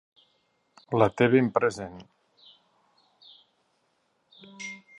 La té ben present.